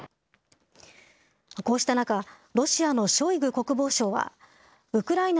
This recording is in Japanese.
こうした中、ロシアのショイグ国防相は、ウクライナ